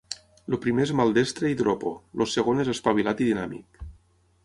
El primer és maldestre i dropo, el segon és espavilat i dinàmic.